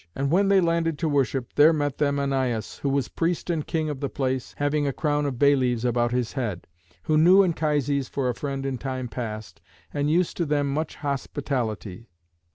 And when they landed to worship, there met them Anius, who was priest and king of the place, having a crown of bay leaves about his head, who knew Anchises for a friend in time past, and used to them much hospitality.